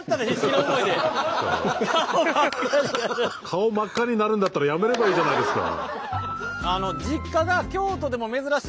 顔真っ赤になるんだったらやめればいいじゃないですか。